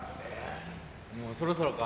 もうそろそろか？